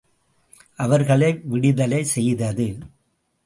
அவர்களை விடுதலை செய்தது.